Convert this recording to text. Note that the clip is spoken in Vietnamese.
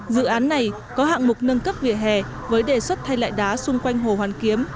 dự án này có hạng mục nâng cấp vỉa hè với đề xuất thay lại đá xung quanh hồ hoàn kiếm